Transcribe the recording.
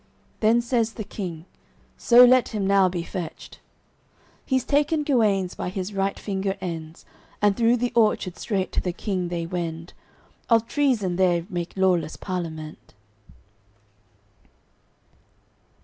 Then says the King: "So let him now be fetched." He's taken Guenes by his right finger ends, And through the orchard straight to the King they wend. Of treason there make lawless parliament.